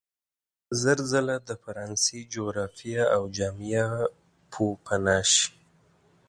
که زر ځله د فرانسې جغرافیه او جامعه پوپناه شي.